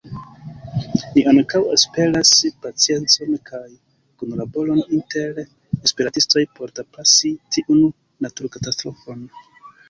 Ni ankaŭ esperas paciencon kaj kunlaboron inter esperantistoj por trapasi tiun naturkatastrofon.